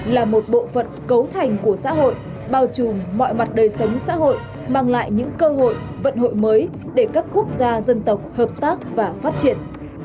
là một bộ phận cấu thành của xã hội bao trùm mọi mặt đời sống xã hội mang lại những cơ hội vận hội mới để các quốc gia dân tộc hợp tác và phát triển